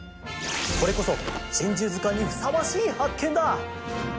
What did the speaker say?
これこそ「珍獣図鑑」にふさわしいはっけんだ！